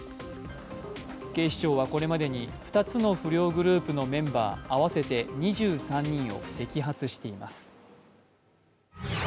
警視庁はこれまでに２つの不良グループのメンバー合わせて２３人を摘発しています。